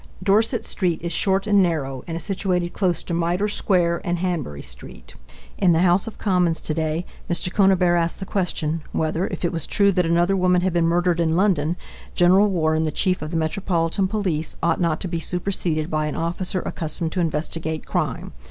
Dorest street is short and narrow and is situated close to Mitre square and Hanbury street. In the House of Commons to day Mr. Conybeare asked the question whether, if it was true that another woman had been murdered in London, Gen. Warren, the Chief of the Metropolitan Police, ought not to be superseded by an officer accustomed to investigate crime.